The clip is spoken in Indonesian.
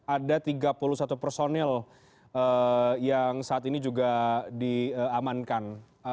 ada tiga puluh satu personil yang saat ini juga diamankan